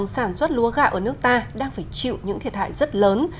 sản xuất lúa gạo ở nước ta đang phải chịu những thiệt hại rất lớn